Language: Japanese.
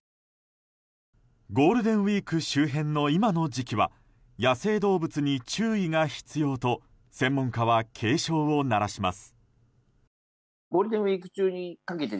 ゴールデンウィーク周辺の今の時期は野生動物に注意が必要と専門家は警鐘を鳴らします。